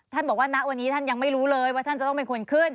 บอกว่าณวันนี้ท่านยังไม่รู้เลยว่าท่านจะต้องเป็นคนขึ้น